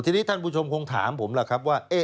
ทีนี้ท่านผู้ชมคงถามผมล่ะครับว่า